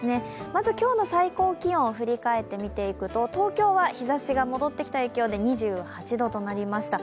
まず今日の最高気温を振り返っていくと、東京は日ざしが戻ってきた影響で２８度となりました。